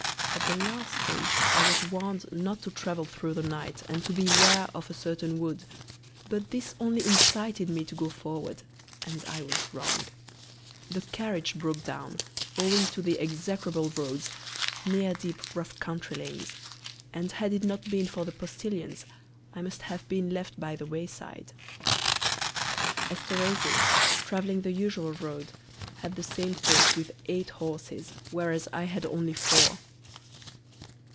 At the last stage I was warned not to travel through the night, and to beware of a certain wood, but this only incited me to go forward, and I was wrong. The carriage broke down, owing to the execrable roads, mere deep rough country lanes, and had it not been for the postilions I must have been left by the wayside. Esterhazy, travelling the usual road, had the same fate with eight horses, whereas I had only four.